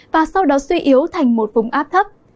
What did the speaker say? và sau đó suy yếu thành một vùng áp thấp